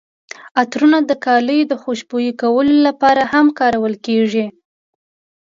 عطرونه د کالیو خوشبویه کولو لپاره هم کارول کیږي.